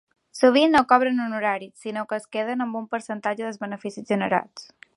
Sovint no cobren honoraris, sinó que es queden amb un percentatge dels beneficis generats.